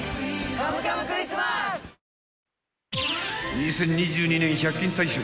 ［２０２２年１００均大賞］